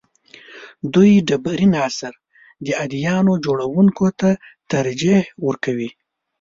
دوی ډبرین عصر د اديانو جوړونکو ته ترجیح ورکوي.